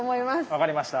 分かりました。